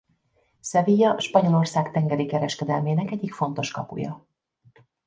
Sevilla Spanyolország tengeri kereskedelmének egyik fontos kapuja.